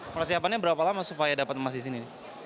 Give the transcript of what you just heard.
persiapannya berapa lama supaya dapat emas di sini